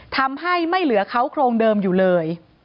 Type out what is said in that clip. ทำให้ไม่เหลือเขาโครงเดิมอยู่เลย